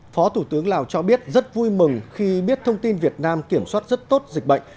phó thủ tướng lào cho biết rất vui mừng khi biết thông tin việt nam kiểm soát rất tốt dịch bệnh